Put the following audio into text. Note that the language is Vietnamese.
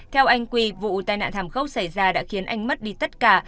theo anh quy vụ tai nạn thảm khốc xảy ra đã khiến anh mất đi tất cả